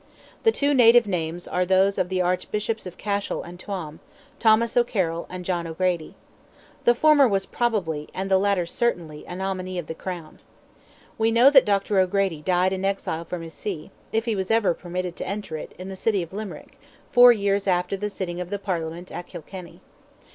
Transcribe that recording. The two native names are those of the Archbishops of Cashel and Tuam, Thomas O'Carrol and John O'Grady. The former was probably, and the latter certainly, a nominee of the Crown. We know that Dr. O'Grady died an exile from his see—if he ever was permitted to enter it—in the city of Limerick, four years after the sitting of the Parliament of Kilkenny.